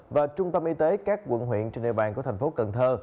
và trung tâm y tế các quận huyện trên địa bàn của tp cần thơ